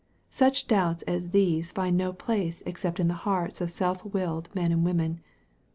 Such doubts as these find no place except in the hearts of self willed men and women.